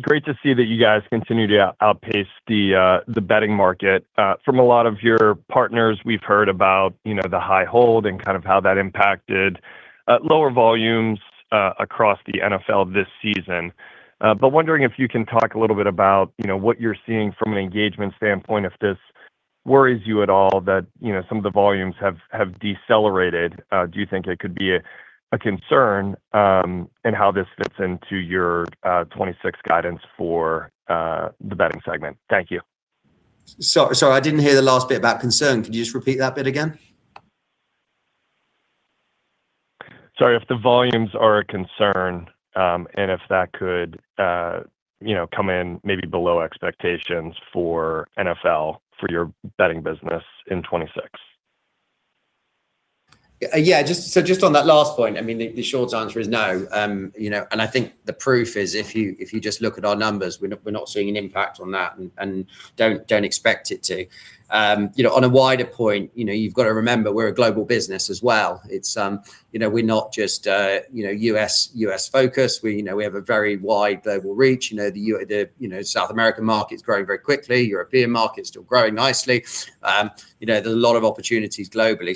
Speaker 14: Great to see that you guys continue to outpace the betting market. From a lot of your partners, we've heard about, you know, the high hold and kind of how that impacted lower volumes across the NFL this season. Wondering if you can talk a little bit about, you know, what you're seeing from an engagement standpoint, if this worries you at all that, you know, some of the volumes have decelerated. Do you think it could be a concern in how this fits into your 26 guidance for the betting segment? Thank you.
Speaker 3: Sorry, I didn't hear the last bit about concern. Could you just repeat that bit again?
Speaker 14: Sorry, if the volumes are a concern, and if that could, you know, come in maybe below expectations for NFL for your betting business in 2026.
Speaker 3: Yeah, just on that last point, I mean, the short answer is no. You know, I think the proof is if you just look at our numbers, we're not seeing an impact on that and don't expect it to. You know, on a wider point, you know, you've got to remember we're a global business as well. It's, you know, we're not just, you know, U.S.-focused. We, you know, we have a very wide global reach. You know, the, you know, South American market's growing very quickly. European market's still growing nicely. You know, there's a lot of opportunities globally.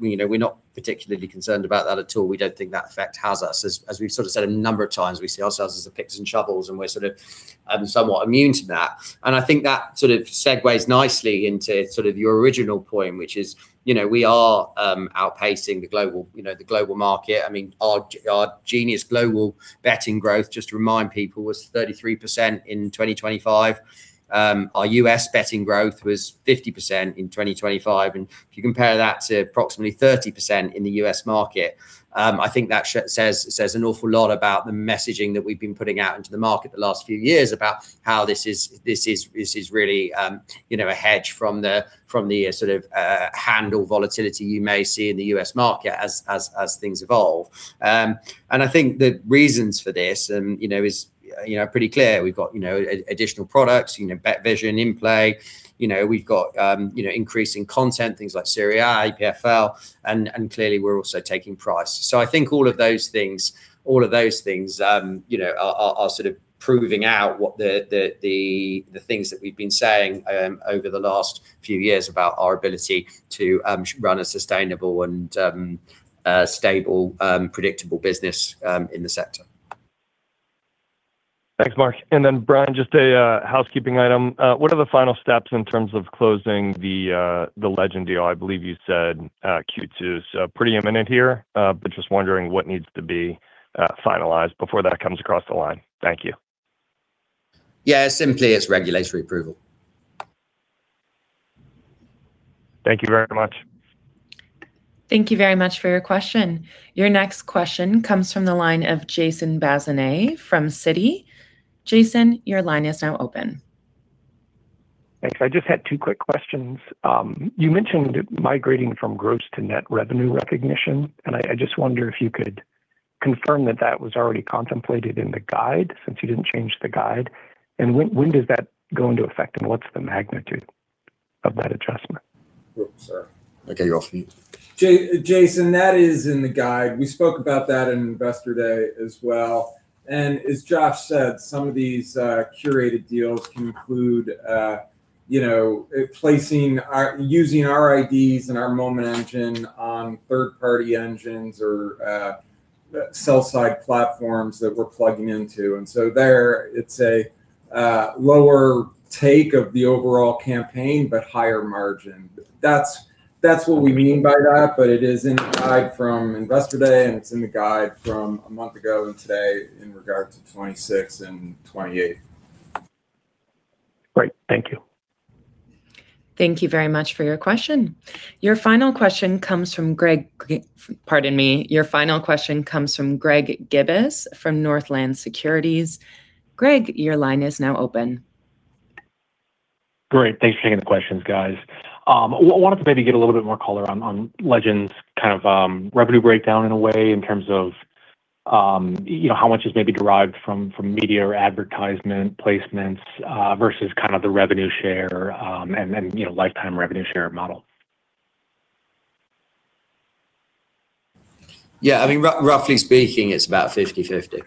Speaker 3: You know, we're not particularly concerned about that at all. We don't think that affect has us. As we've sort of said a number of times, we see ourselves as the picks and shovels, and we're sort of somewhat immune to that. I think that sort of segues nicely into sort of your original point, which is, you know, we are outpacing the global, you know, the global market. I mean, our Genius global betting growth, just to remind people, was 33% in 2025. Our U.S. betting growth was 50% in 2025 and if you compare that to approximately 30% in the U.S. market, I think that says an awful lot about the messaging that we've been putting out into the market the last few years about how this is really, you know, a hedge from the, from the sort of, handle volatility you may see in the U.S. market as things evolve. I think the reasons for this and, you know, is, you know, pretty clear. We've got, you know, additional products, you know, BetVision in-play. You know, we've got, you know, increasing content, things like Serie A, IPFL, and clearly we're also taking price. I think all of those things, you know, are sort of proving out what the things that we've been saying, over the last few years about our ability to run a sustainable and a stable, predictable business in the sector.
Speaker 14: Thanks, Mark. Bryan, just a housekeeping item. What are the final steps in terms of closing the Legend deal? I believe you said Q2's pretty imminent here, but just wondering what needs to be finalized before that comes across the line. Thank you.
Speaker 4: Yeah. Simply it's regulatory approval.
Speaker 14: Thank you very much.
Speaker 1: Thank you very much for your question. Your next question comes from the line of Jason Bazinet from Citi. Jason, your line is now open.
Speaker 15: Thanks. I just had two quick questions. You mentioned migrating from gross to net revenue recognition, I just wonder if you could confirm that that was already contemplated in the guide since you didn't change the guide? When does that go into effect, and what's the magnitude of that adjustment?
Speaker 3: Oops, sorry. I gave you off mute.
Speaker 4: Jason, that is in the guide. We spoke about that in Investor Day as well. As Josh said, some of these, you know, curated deals include placing using our IDs and our Moment Engine on third party engines or sell side platforms that we're plugging into. There it's a lower take of the overall campaign, but higher margin. That's what we mean by that, but it is in the guide from Investor Day and it's in the guide from a month ago and today in regard to 26 and 28.
Speaker 15: Great. Thank you.
Speaker 1: Thank you very much for your question. Your final question comes from Greg, pardon me. Your final question comes from Greg Gibas from Northland Securities. Greg, your line is now open.
Speaker 16: Great. Thanks for taking the questions, guys. wanted to maybe get a little bit more color on Legends kind of revenue breakdown in a way in terms of, you know, how much is maybe derived from media or advertisement placements, versus kind of the revenue share, and then, you know, lifetime revenue share model.
Speaker 4: Yeah, I mean, roughly speaking it's about 50/50.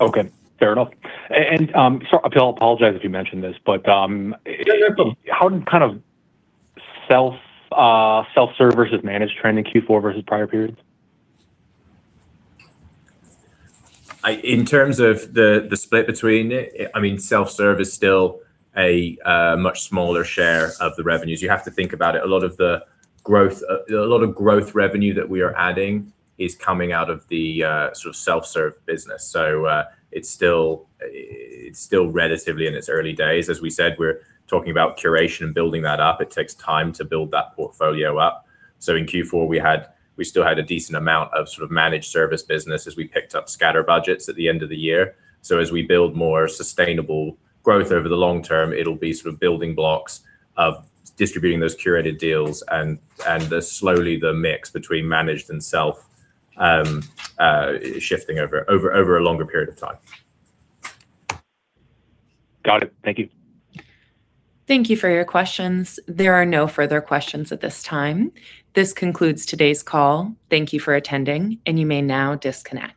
Speaker 16: Okay. Fair enough. I'll apologize if you mentioned this, but.
Speaker 4: No, you're cool....
Speaker 16: how did kind of self-serve versus managed trend in Q4 versus prior periods?
Speaker 3: In terms of the split between it, I mean, self-serve is still a much smaller share of the revenues. You have to think about it. A lot of growth revenue that we are adding is coming out of the sort of self-serve business. It's still relatively in its early days. As we said, we're talking about curation and building that up. It takes time to build that portfolio up. In Q4 we still had a decent amount of sort of managed service business as we picked up scatter budgets at the end of the year. As we build more sustainable growth over the long term, it'll be sort of building blocks of distributing those curated deals and slowly the mix between managed and self, shifting over a longer period of time.
Speaker 16: Got it. Thank you.
Speaker 1: Thank you for your questions. There are no further questions at this time. This concludes today's call. Thank you for attending, and you may now disconnect.